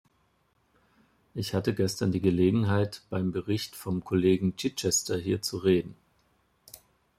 Ich hatte gestern die Gelegenheit, beim Bericht vom Kollegen Chichester hier zu reden.